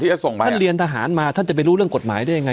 ท่านเรียนทหารมาท่านจะไปรู้เรื่องกฎหมายได้ยังไง